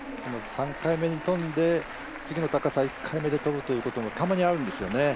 ３回目に跳んで、次の高さ１回目で跳ぶということも、たまにあるんですよね。